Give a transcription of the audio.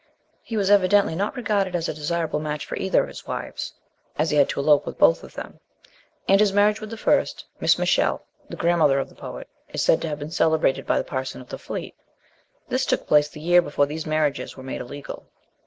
He was evidently not regarded as a desirable match for either of his wives, SHELLEY. 37 as he had to elope with both of them ; and his marriage with the first, Miss Michell, the grandmother of the poet, is said to have been celebrated by the parson of the Fleet. This took place the year before these mar riages were made illegal.